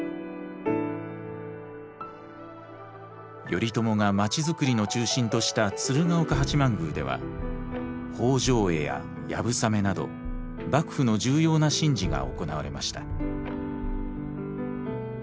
頼朝が町づくりの中心とした鶴岡八幡宮では放生会や流鏑馬など幕府の重要な神事が行われました。